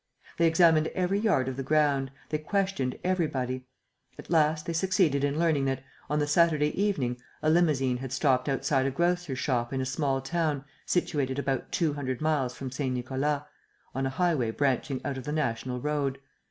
They examined every yard of the ground, they questioned everybody. At last, they succeeded in learning that, on the Saturday evening, a limousine had stopped outside a grocer's shop in a small town situated about two hundred miles from Saint Nicolas, on a highway branching out of the national road.